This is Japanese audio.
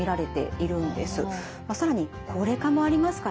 まあ更に高齢化もありますからね。